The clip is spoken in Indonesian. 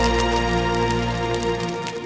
aku tidak ingin main jahat minum rezeki